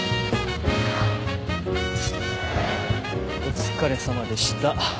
お疲れさまでした。